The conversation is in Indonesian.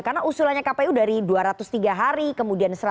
karena usulannya kpu dari dua ratus tiga hari kemudian seratus hari